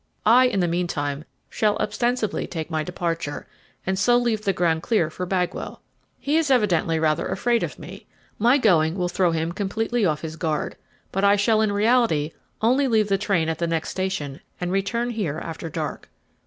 I in the meantime shall ostensibly take my departure, and so leave the ground clear for Bagwell. He is evidently rather afraid of me. My going will throw him completely off his guard; but I shall in reality only leave the train at the next station and return here after dark.